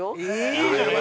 ◆いいじゃない！